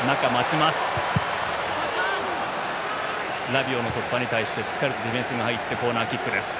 ラビオの突破に対してしっかりとディフェンスが入ってコーナーキックです。